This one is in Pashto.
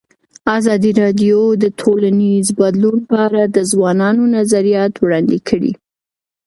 ازادي راډیو د ټولنیز بدلون په اړه د ځوانانو نظریات وړاندې کړي.